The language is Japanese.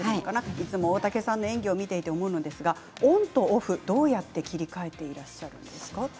いつも大竹さんの演技を見て思うんですがオンとオフどうやって切り替えていらっしゃるんですか。